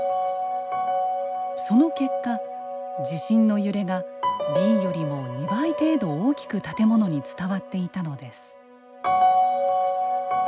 その結果地震の揺れがＢよりも２倍程度大きく建物に伝わっていたのです。